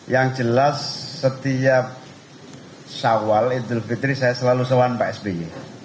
yang jelas setiap sawal idul fitri saya selalu sawan pak sby